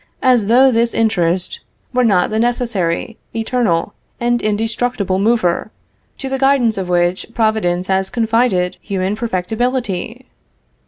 as though this interest were not the necessary, eternal, and indestructible mover, to the guidance of which Providence has confided human perfectibility!